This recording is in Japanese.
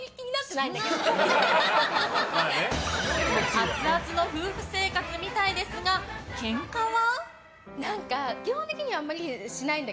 熱々の夫婦生活みたいですがケンカは？